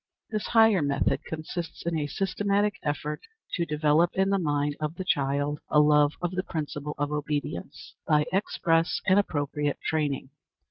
This higher method consists in a systematic effort to develop in the mind of the child a love of the principle of obedience, by express and appropriate training.